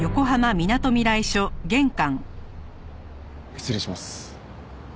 失礼します。